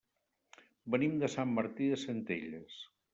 Venim de Sant Martí de Centelles.